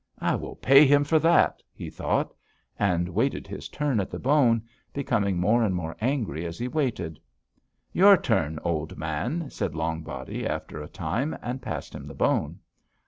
'I will pay him for that!' he thought, and waited his turn at the bone, becoming more and more angry as he waited. "'Your turn, Old Man,' said Long Body after a time, and passed him the bone.